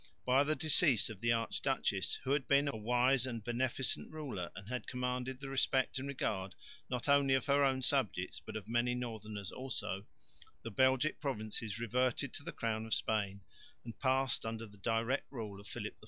By the decease of the arch duchess, who had been a wise and beneficent ruler and had commanded the respect and regard not only of her own subjects but of many northerners also, the Belgic provinces reverted to the crown of Spain and passed under the direct rule of Philip IV.